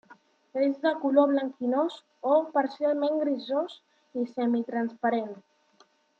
És de color blanquinós o parcialment grisós i semitransparent.